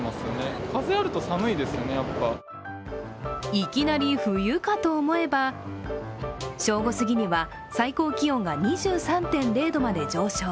いきなり冬かと思えば、正午すぎには最高気温が２３．０度まで上昇。